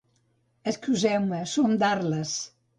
Excuseu-me, som d'Arles!